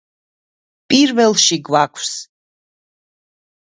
პირველში გვაქვს.